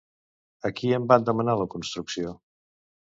A qui en van demanar la construcció?